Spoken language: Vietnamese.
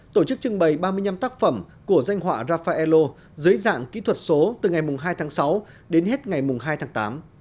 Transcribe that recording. tổ chức trưng bày ba mươi năm tác phẩm của danh họa rafaello dưới dạng kỹ thuật số từ ngày hai tháng sáu đến hết ngày hai tháng tám